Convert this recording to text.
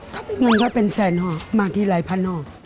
เขาไปเงินก็เป็นแสนห่อมาที่หลายพันห่อ